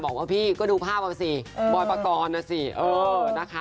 บอกว่าพี่ก็ดูภาพเอาสิบอยปกรณ์นะสิเออนะคะ